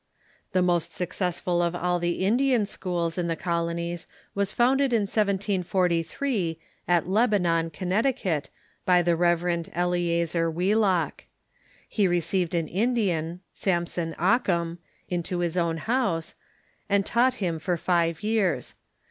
The most successful of all the Indian schools in the colonies was founded in 1743, at Lebanon, Con necticut, by the Rev. Eleazer Wheelock. He received an In dian, Samson Occum, into his own house, and taught him for five years.